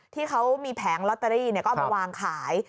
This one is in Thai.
ที่เขามีแผงลอตเตอรี่ก็เอามาวางขาย